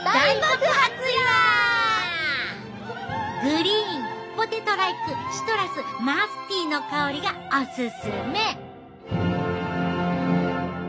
グリーンポテトライクシトラスマスティーの香りがおすすめ！